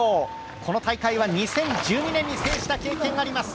この大会は２０１２年に制した経験があります。